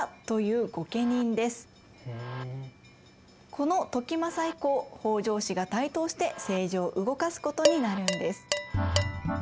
この時政以降北条氏が台頭して政治を動かすことになるんです。